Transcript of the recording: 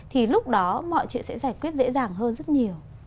thì lúc đó mọi chuyện sẽ giải quyết dễ dàng hơn rất nhiều